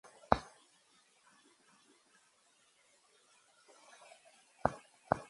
Ha sido portada de revistas como Hustler, Oui, Genesis magazines o Maxim.